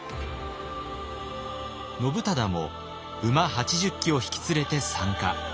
信忠も馬８０騎を引き連れて参加。